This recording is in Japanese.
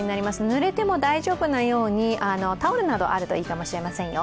ぬれても大丈夫なようにタオルなどあるといいかもしれませんよ。